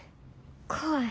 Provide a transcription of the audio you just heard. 怖い。